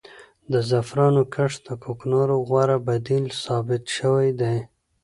د زعفرانو کښت د کوکنارو غوره بدیل ثابت شوی دی.